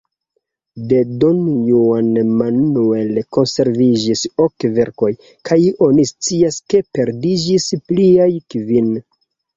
De don Juan Manuel konserviĝis ok verkoj, kaj oni scias ke perdiĝis pliaj kvin.